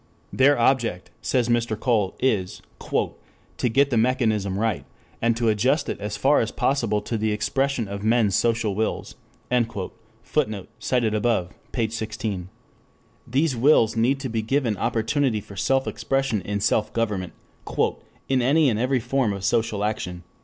Their object, says Mr. Cole, is "to get the mechanism right, and to adjust it as far as possible to the expression of men's social wills." [Reference: Op. cit., p. 16.] These wills need to be given opportunity for self expression in self government "in any and every form of social action."